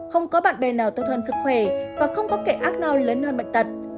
không có bạn bè nào tốt hơn sức khỏe và không có kẻ ác nào lớn hơn bệnh tật